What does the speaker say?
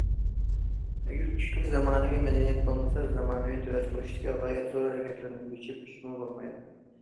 ئەگەر كۈچلۈك زامانىۋى مەدەنىيەت بولمىسا، زامانىۋى دۆلەت قۇرۇشتىكى غايەت زور ھەرىكەتلەندۈرگۈچى كۈچمۇ بولمايدۇ.